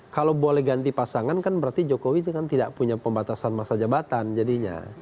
kalau boleh ganti pasangan kan berarti jokowi itu kan tidak punya pembatasan masa jabatan jadinya